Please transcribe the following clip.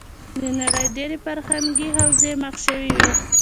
د نړۍ ډېری فرهنګې حوزې مخ شوې وې.